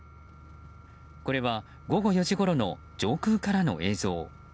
これは午後４時ごろの上空からの映像。